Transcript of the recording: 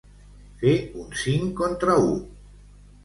Fer un cinc contra u.